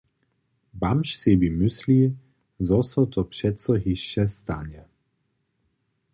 Bamž sebi mysli, zo so to přeco hišće stanje.